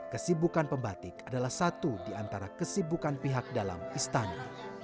kesibukan pembatik adalah satu di antara kesibukan pihak dalam istana